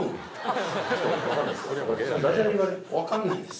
「わからないです」？